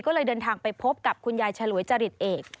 ก็เลยเดินทางไปพบกับคุณยายฉลวยจริตเอก